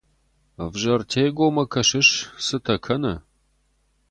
Ӕвзӕр Тегомӕ кӕсыс, цытӕ кӕны!